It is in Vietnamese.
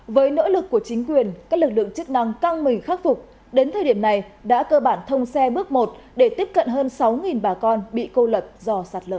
với nỗ lực của chính quyền các lực lượng chức năng căng mình khắc phục đến thời điểm này đã cơ bản thông xe bước một để tiếp cận hơn sáu bà con bị cô lập do sạt lở